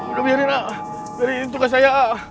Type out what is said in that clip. udah biarin ah biarin tukang saya